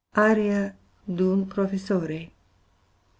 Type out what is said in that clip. Aria d'un Professore.